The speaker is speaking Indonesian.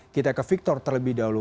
kita ke victor terlebih dahulu